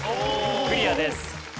クリアです。